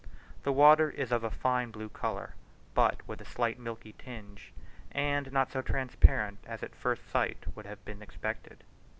The water is of a fine blue colour, but with a slight milky tinge, and not so transparent as at first sight would have been expected.